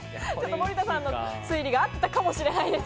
森田さんの推理が合ってたかもしれない。